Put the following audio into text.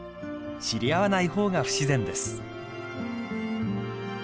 ［知り合わない方が不自然です］